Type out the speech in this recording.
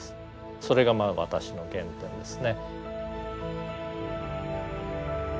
それがまあ私の原点ですね。